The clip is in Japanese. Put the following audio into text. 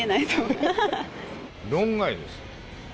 論外ですよ。